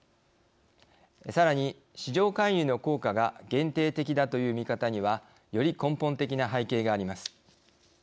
さらに、市場介入の効果が限定的だという見方にはより根本的な背景があります。